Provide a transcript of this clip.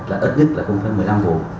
là ớt nhất là không phải một mươi năm vụ